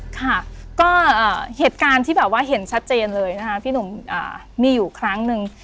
ค่ะก็เหตุการณ์ที่แบบว่าเห็นชัดเจนเลยนะคะพี่หนุ่มมีอยู่ครั้งหนึ่ง